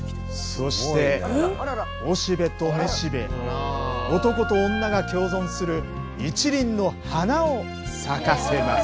そしておしべとめしべ男と女が共存する一輪の花を咲かせます。